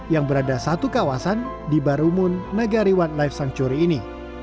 yang berada satu kawasan di barumun negariwan live sanctuary ini